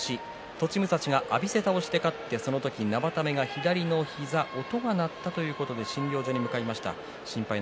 栃武蔵が浴びせ倒しで勝ってその時、生田目が左の膝音が鳴ったということで診療所に向かいました。